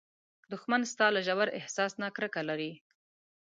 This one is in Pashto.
دښمن ستا له ژور احساس نه کرکه لري